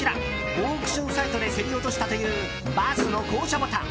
オークションサイトで競り落としたというバスの降車ボタン。